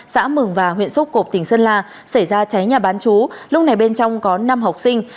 xã mường và huyện xúc cộp tỉnh sơn la xảy ra cháy nhà bán chú lúc này bên trong có năm học sinh